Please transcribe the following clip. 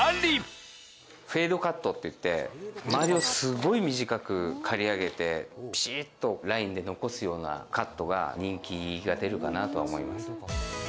フェードカットっていって周りをすごい短く刈り上げてピシッとラインで残すようなカットが人気が出るかなとは思います。